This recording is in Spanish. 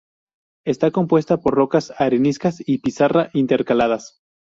Está compuesta por rocas areniscas y pizarra intercaladas.